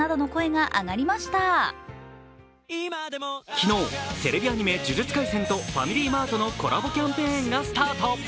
昨日、テレビアニメ「呪術廻戦」とファミリーマートのコラボキャンペーンがスタート。